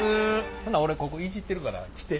ほな俺ここいじってるから来て。